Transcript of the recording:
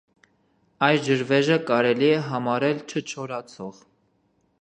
Այս ջրվեժը կարելի է համարել չչորացող։